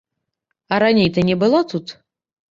А раней ты не была тут?